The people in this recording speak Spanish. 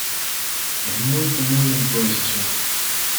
Es muy común la improvisación.